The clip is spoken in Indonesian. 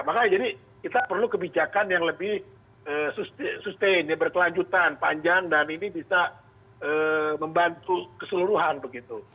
makanya jadi kita perlu kebijakan yang lebih sustain ya berkelanjutan panjang dan ini bisa membantu keseluruhan begitu